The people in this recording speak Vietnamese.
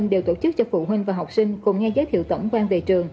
đều tổ chức cho phụ huynh và học sinh cùng nghe giới thiệu tổng quan về trường